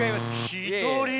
「ひとり」